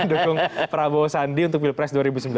dukung prabowo sandi untuk pilpres dua ribu sembilan belas